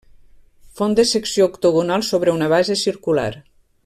Font de secció octogonal sobre una base circular.